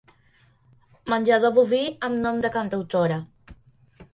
Menjador boví amb nom de cantautora.